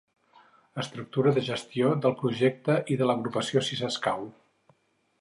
Estructura de gestió del projecte i de l'agrupació si s'escau.